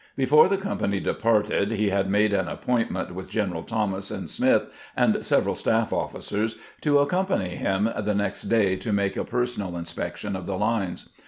Before the company departed he had made an appointment with Generals Thomas and Smith and several staff officers to accompany him the next day to make a personal inspection of the lines.